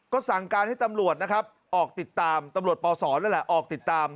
ก็สั่งการให้ตำรวจนะครับออกติดตามตำรวจปศนั่นแหละออกติดตาม